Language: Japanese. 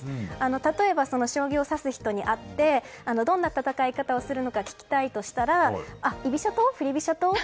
例えば、将棋を指す人に会ってどんな戦い方をするのか聞きたいとしたら居飛車と？